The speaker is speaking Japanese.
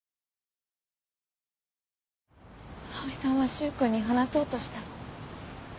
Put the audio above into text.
葵さんは柊君に話そうとした。